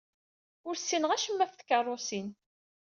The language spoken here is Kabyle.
Ur ssineɣ acemma ɣef tkeṛṛusin.